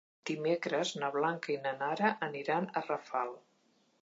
Dimecres na Blanca i na Nara aniran a Rafal.